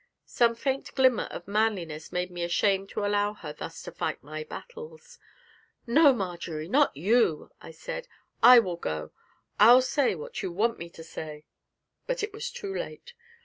Some faint glimmer of manliness made me ashamed to allow her thus to fight my battles. 'No, Marjory, not you!' I said; 'I will go: I'll say what you want me to say!' But it was too late.